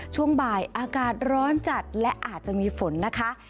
ช่วงบ่ายอากาศร้อนจัดและอาจจะมีฝนนะคะ